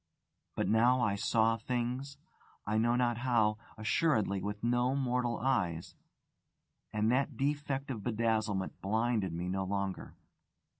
But now I saw things I know not how; assuredly with no mortal eyes and that defect of bedazzlement blinded me no longer.